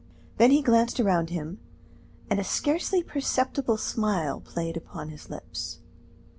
Then he glanced around him, and a scarcely perceptible smile played upon his lips.